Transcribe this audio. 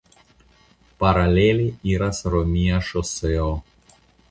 Paralele iras romia ŝoseo.